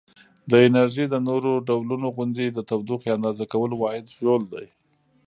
د انرژي د نورو ډولونو غوندې د تودوخې اندازه کولو واحد ژول دی.